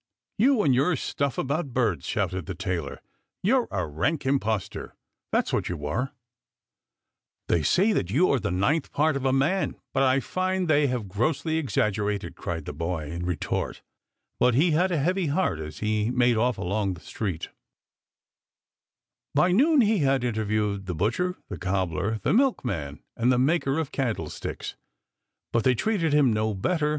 " You with your stuff about birds," shouted the tailor ;" you're a rank impostor ! That's what you are !"" They say that you are the ninth part of a man, but I find that they have grossly exag gerated," cried the boy, in retort ; but he 212 THE POET'S ALLEGORY had a heavy heart as he made off along By neon he had interviewed the butcher, the cobbler, the milkman, and the maker of candlesticks, but they treated him no better.